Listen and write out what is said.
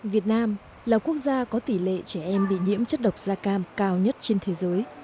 việt nam là quốc gia có tỷ lệ trẻ em bị nhiễm chất độc da cam cao nhất trên thế giới